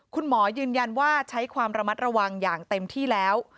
คุณหมอยืนยันว่าใช้ความระมัดระวังอย่างเต็มที่แล้ว